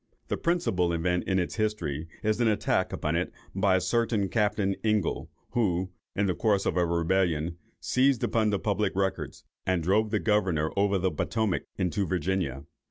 The principal event in its history, is an attack upon it by a certain Captain Ingle, who, in the course of a rebellion, seized upon the public records, and drove the governor over the Potomac into Virginia.